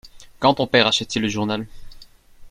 Quand ton père achète-t-il le journal ?